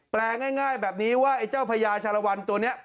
แปลง่ายแบบนี้ว่าไอ้เจ้าพญาชาลวันตัวนี้